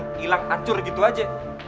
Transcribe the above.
hilang hancur gitu aja ya